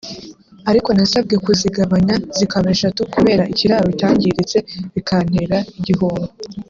ariko nasabwe kuzigabanya zikaba eshatu kubera ikiraro cyangiritse bikantera igihombo